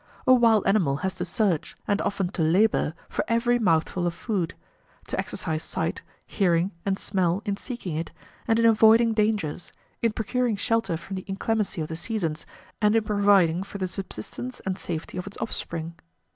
A wild animal has to search, and often to labour, for every mouthful of food to exercise sight, hearing, and smell in seeking it, and in avoiding dangers, in procuring shelter from the inclemency of the seasons, and in providing for the subsistence and safety of its offspring.